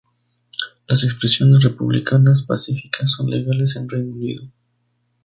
Las expresiones republicanas pacíficas son legales en Reino Unido.